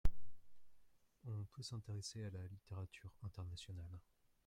On peut s’intéresser à la littérature internationale.